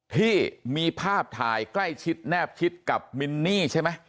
ที่มีภาพถ่ายใกล้ชิดแนบชิดกับมินนี่ใช่ไหม